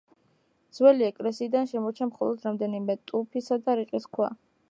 ძველი ეკლესიიდან შემორჩა მხოლოდ რამდენიმე ტუფისა და რიყის ქვა.